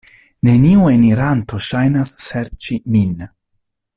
Neniu eniranto ŝajnas serĉi min.